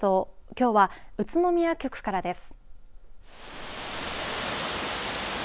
きょうは宇都宮局からです。